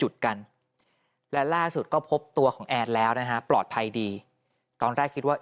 หลังจากพบศพผู้หญิงปริศนาตายตรงนี้ครับ